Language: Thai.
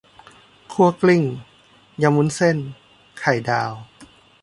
คั่วกลิ้ง ยำวุ้นเส้น ไข่ดาว